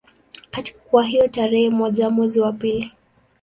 Kwa hiyo tarehe moja mwezi wa pili